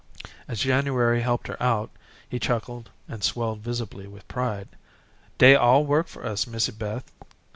As January helped her out, he chuckled, and swelled visibly with pride. "Dey all work for us, Missy Beth.